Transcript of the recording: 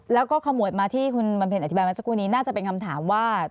แล้วก็ขมวดมาที่คุณบำเพ็ญอธิบายมาสักครู่นี้น่าจะเป็นคำถามว่า